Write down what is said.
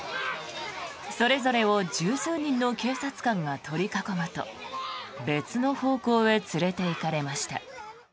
それぞれを１０数人の警察官が取り囲むと別の方向へ連れていかれました。